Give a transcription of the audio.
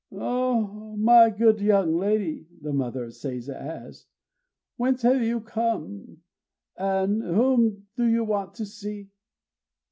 "O my good young lady," the mother of Seiza asked, "whence have you come; and whom do you want to see?"